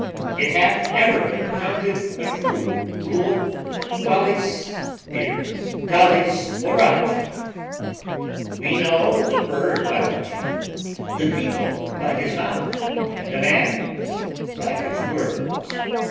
It hath ever been accounted a true Rule, Qualis Vir, talis Oratio. We know the Bird by the Tune, the Beagle by his Mouth, and a Man by his Words.